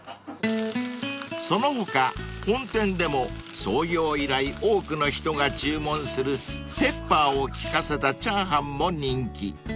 ［その他本店でも創業以来多くの人が注文するペッパーを利かせたチャーハンも人気］